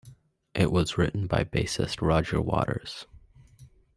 It was written by bassist Roger Waters.